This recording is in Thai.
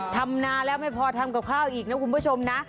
ทำนานแล้วไม่พอทำกับข้าวอีกนะคุณผู้ชมนะ